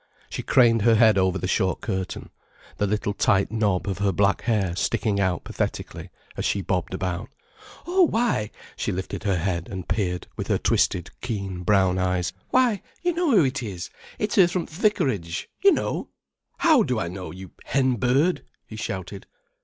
She craned her head over the short curtain, the little tight knob of her black hair sticking out pathetically as she bobbed about. "Oh why"—she lifted her head and peered with her twisted, keen brown eyes—"why, you know who it is—it's her from th' vicarage—you know—" "How do I know, you hen bird," he shouted.